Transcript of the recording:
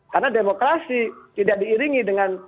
karena demokrasi tidak diiringi dengan